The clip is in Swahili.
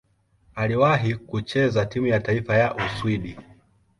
Aliwahi kucheza timu ya taifa ya Uswidi.